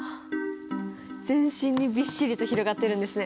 全身にびっしりと広がってるんですね。